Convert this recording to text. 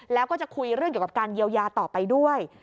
แล้วก็จะคุยเรื่องเกี่ยวกับการเยียวยาต่อไปด้วย